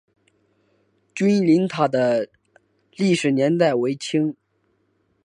君灵塔的历史年代为清。